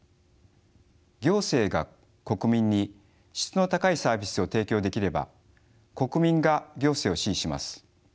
行政が国民に質の高いサービスを提供できれば国民が行政を支持します。